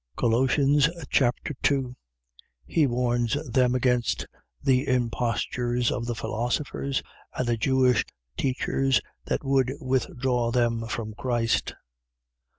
Colossians Chapter 2 He warns them against the impostures of the philosophers and the Jewish teachers, that would withdraw them from Christ.